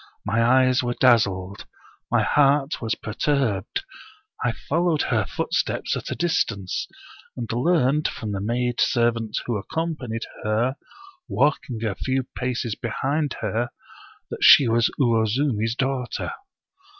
My eyes were dazzled, my heart was perturbed. I followed her footsteps at a distance, and learned from the maid servant who accompanied her, walking a few paces behind her, that she was Uwozumi's daughter.